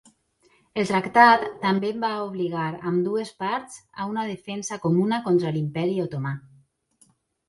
El tractat també va obligar ambdues parts a una defensa comuna contra l'Imperi Otomà.